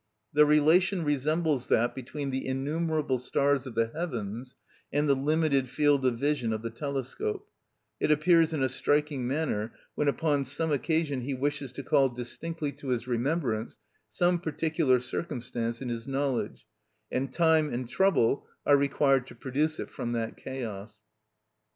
The relation resembles that between the innumerable stars of the heavens and the limited field of vision of the telescope; it appears in a striking manner when upon some occasion he wishes to call distinctly to his remembrance some particular circumstance in his knowledge, and time and trouble are required to produce it from that chaos.